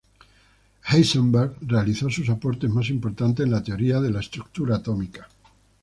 Heisenberg realizó sus aportes más importantes en la teoría de la estructura atómica.